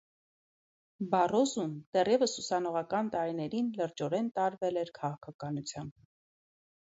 Բարոզուն, դեռևս ուսանողական տարիներին լրջորեն տարվել էր քաղաքականությամբ։